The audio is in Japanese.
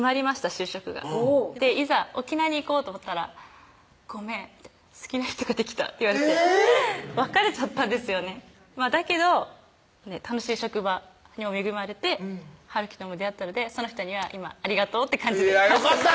就職がうんいざ沖縄に行こうと思ったら「ごめん好きな人ができた」ってえぇっ⁉別れちゃったんですよねだけど楽しい職場にも恵まれて晴輝とも出会ったのでその人には今ありがとうって感じいやよかった！